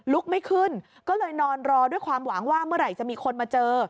ไม่ขึ้นก็เลยนอนรอด้วยความหวังว่าเมื่อไหร่จะมีคนมาเจอ